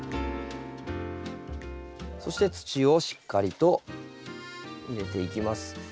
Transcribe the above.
そして土をしっかりと入れていきます。